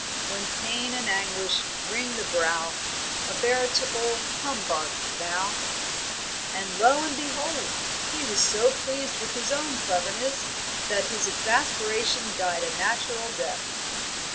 When pain and anguish wring the brow A veritable humbug thou." And lo and behold! he was so pleased with his own cleverness that his exasperation died a natural death.